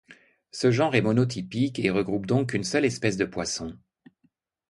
Ce genre est monotipyque et regroupe donc qu’une seule espèce de poisson.